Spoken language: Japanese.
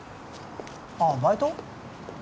ああ、バイト？